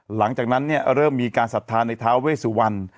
หลังจากนั้นเริ่มมีการสัตว์ธานในท้าเวสวัน